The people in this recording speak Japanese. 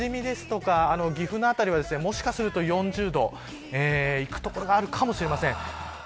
周辺の多治見や岐阜の辺りはもしかすると４０度をいく所があるかもしれません。